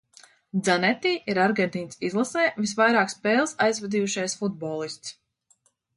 Dzaneti ir Argentīnas izlasē visvairāk spēles aizvadījušais futbolists.